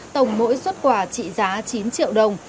tổng mỗi xuất quà trị giá chín triệu đồng